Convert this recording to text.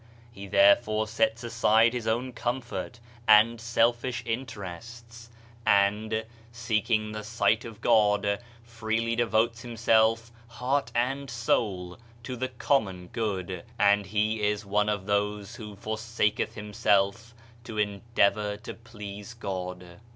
He therefore sets aside his own comfort and selfish interests and, seeking the sight of God, freely devotes himself, heart and soul, to the common good, "and he is one of those who forsaketh himself to endeavor to please God."